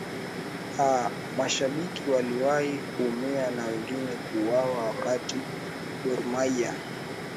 aa mashabiki waliwai kuumia na wengine kuwawa wakati gormahia